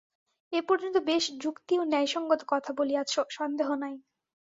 এ পর্যন্ত বেশ যুক্তি ও ন্যায়-সঙ্গত কথা বলিয়াছ, সন্দেহ নাই।